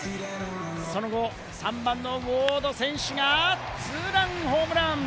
その後、３番のウォード選手がツーランホームラン。